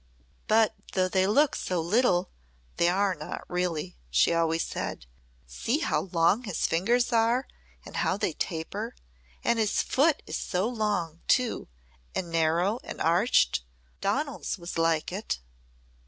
"But though they look so little, they are not really," she always said. "See how long his fingers are and how they taper. And his foot is long, too, and narrow and arched. Donal's was like it."